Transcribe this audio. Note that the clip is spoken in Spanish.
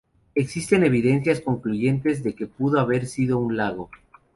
Existen evidencias concluyentes de que pudo haber sido un lago.